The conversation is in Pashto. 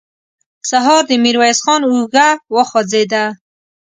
سهار د ميرويس خان اوږه وخوځېده.